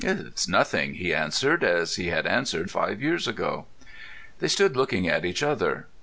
"It's nothing," he answered, as he had answered five years ago. They stood looking at each other.